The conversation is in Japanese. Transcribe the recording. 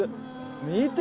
見て。